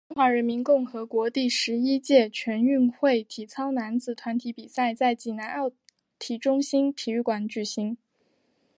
中华人民共和国第十一届全运会体操男子团体比赛在济南奥体中心体育馆举行。